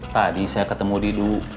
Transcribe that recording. tadi saya ketemu didu